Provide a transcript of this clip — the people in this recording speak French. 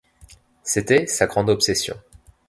C'était sa grande obsession.